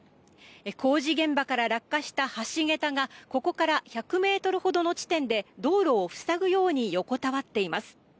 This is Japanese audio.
工事現場から落下した橋桁が、ここから１００メートルほどの地点で道路を塞ぐように横たわっています。